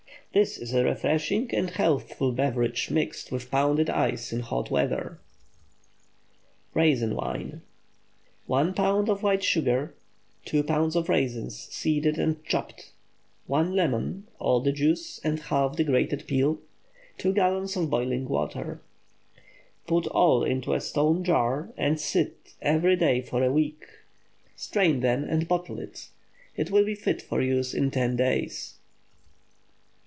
This is a refreshing and healthful beverage mixed with pounded ice in hot weather. RAISIN WINE. 1 lb. white sugar. 2 lbs. raisins, seeded and chopped. 1 lemon—all the juice and half the grated peel. 2 gallons boiling water. Put all into a stone jar, and stir every day for a week. Strain, then, and bottle it. It will be fit for use in ten days.